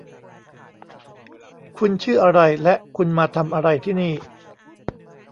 คุณชื่ออะไรและคุณมาทำอะไรที่นี่